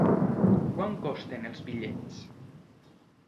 Quant costen els bitllets?